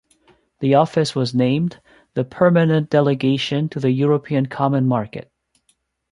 The office was named the Permanent Delegation to the European Common Market.